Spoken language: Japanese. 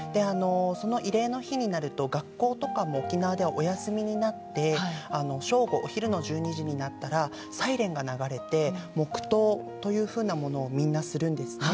その慰霊の日になると学校とかも沖縄ではお休みになって正午、お昼の１２時になったらサイレンが流れて黙祷というふうなものをみんなするんですね。